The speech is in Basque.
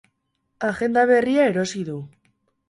Agenda berria erosi du.